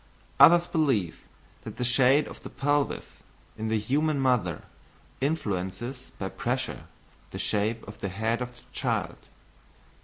Others believe that the shape of the pelvis in the human mother influences by pressure the shape of the head of the child.